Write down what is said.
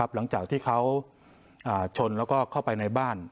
หลังจากที่เขาชนแล้วก็เข้าไปในบ้าน